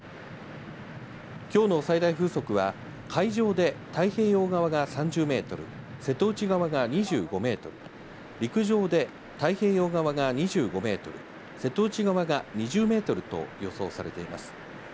きょうの最大風速は海上で太平洋側が３０メートル、瀬戸内側が２５メートル、陸上で太平洋側が２５メートル、瀬戸内側が２０メートルと予想されています。